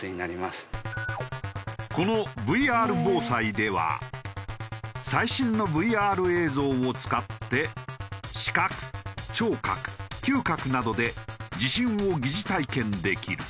このＶＲＢＯＳＡＩでは最新のＶＲ映像を使って視覚聴覚嗅覚などで地震を疑似体験できる。